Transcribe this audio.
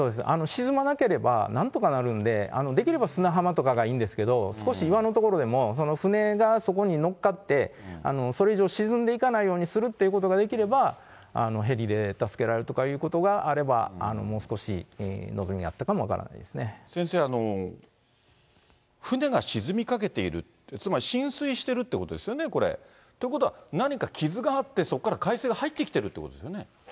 沈まなければなんとかなるんで、できれば砂浜とかがいいんですけれども、少し岩の所でも、船がそこにのっかって、それ以上沈んでいかないようにするっていうことができれば、ヘリで助けられるっていうことがあれば、もう少し望みがあったか先生、船が沈みかけている、つまり浸水してるっていうことですよね、これ。ということは、何か傷があって、そこから海水が入ってきてるってことですよね。